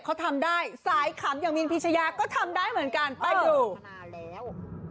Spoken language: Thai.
เขาทำได้สายขำอย่างมีนพิชยาก็ทำได้เหมือนกันไปดู